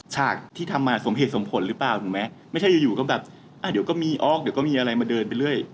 ฉากที่ทำมาสมเหตุสมผลหรือเปล่าถูกไหมไม่ใช่อยู่อยู่ก็แบบอ่ะเดี๋ยวก็มีออกเดี๋ยวก็มีอะไรมาเดินไปเรื่อย